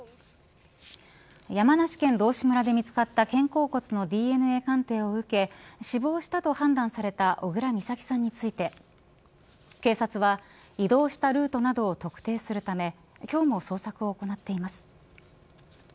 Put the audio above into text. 山梨県道志村で見つかった肩甲骨のＤＮＡ鑑定を受け死亡したと判断された小倉美咲さんについて警察は移動したルートなどを特定するため今日も捜索を行っています。